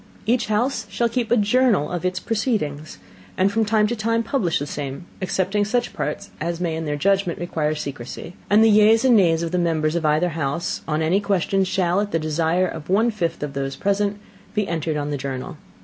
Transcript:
Each house shall keep a Journal of its Proceedings, and from time to time publish the same, excepting such Parts as may in their Judgment require Secrecy; and the Yeas and Nays of the Members of either House on any question shall, at the Desire of one fifth of those Present, be entered on the Journal.